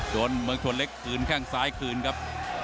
เมืองชนเล็กคืนแข้งซ้ายคืนครับ